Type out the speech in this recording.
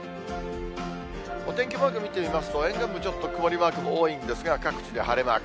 お天気マーク見てみますと、沿岸部、ちょっと曇りマーク多いんですが、各地で晴れマーク。